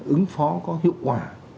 ứng phó có hiệu quả